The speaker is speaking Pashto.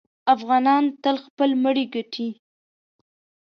افغانان تل خپل مړی ګټي.